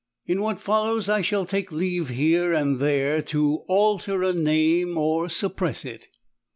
In what follows I shall take leave here and there to alter a name or suppress it.